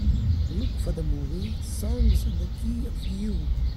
Look for the movie Songs in the Key of You